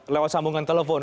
lewat sambungan telepon